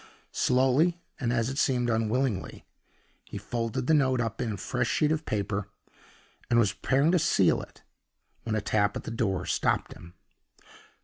Slowly, and, as it seemed, unwillingly, he folded the note up in a fresh sheet of paper, and was preparing to seal it when a tap at the door stopped him.